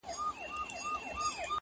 چي د ښارونو جنازې وژاړم.!